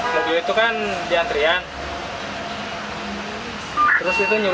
mobil ada berapa orang tadi